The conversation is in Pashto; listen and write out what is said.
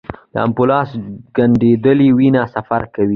د ایمبولوس ګڼېدلې وینه سفر کوي.